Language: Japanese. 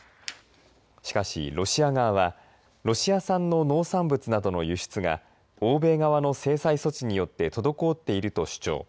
しかし、ロシア側はロシア産の農産物などの輸出が欧米側の制裁措置によって滞っていると主張。